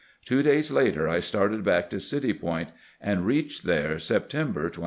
Two days later I started back to City Point, and reached there September 27.